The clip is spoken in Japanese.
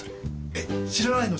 えっ知らないの？